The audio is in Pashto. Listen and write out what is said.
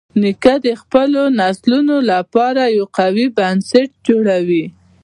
نیکه د خپلو نسلونو لپاره یو قوي بنسټ جوړوي.